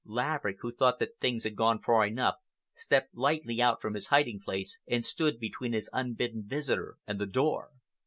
Laverick, who thought that things had gone far enough, stepped lightly out from his hiding place and stood between his unbidden visitor and the door.